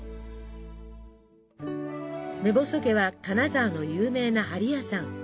目細家は金沢の有名な針屋さん。